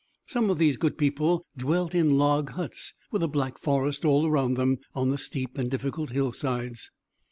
Some of these good people dwelt in log huts, with the black forest all around them, on the steep and difficult hillsides.